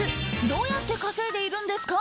どうやって稼いでいるんですか？